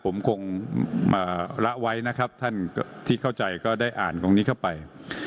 ผมคงละไว้นะครับท่านที่เข้าใจก็ได้อ่านตรงนี้เข้าไป